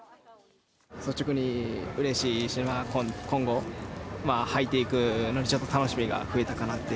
率直にうれしいし、今後、はいていくのに、ちょっと楽しみが増えたかなって。